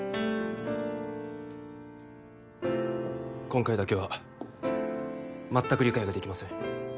今回だけはまったく理解ができません。